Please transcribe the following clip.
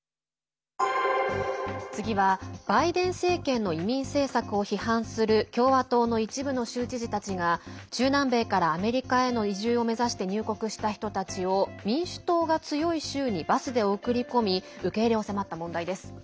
次はバイデン政権の移民政策を批判する共和党の一部の州知事たちが中南米からアメリカへの移住を目指して入国した人たちを民主党が強い州にバスで送り込み受け入れを迫った問題です。